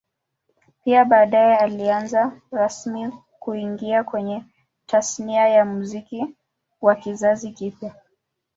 Pia baadae alianza rasmi kuingia kwenye Tasnia ya Muziki wa kizazi kipya